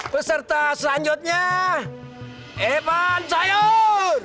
peserta selanjutnya ipan sayur